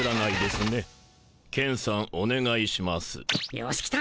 よし来た。